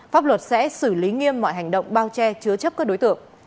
pháp luật sẽ xử lý nghiêm mọi hành động bao che chứa chấp các đối tượng